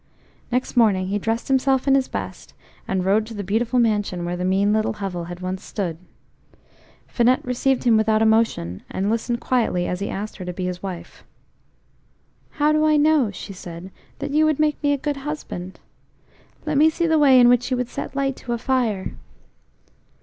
Next morning he dressed himself in his best, and rode to the beautiful mansion where the mean little hovel had once stood. Finette received him without emotion, and listened quietly as he asked her to be his wife. "How do I know," she said, "that you would make me a good husband? Let me see the way in which you would set light to a fire."